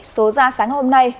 số ra sáng hôm nay